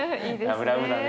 ラブラブだね。